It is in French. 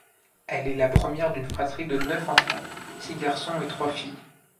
Elle est la première d’une fratrie de neuf enfants, six garçons et trois filles.